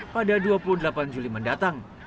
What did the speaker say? pada dua puluh delapan juli mendatang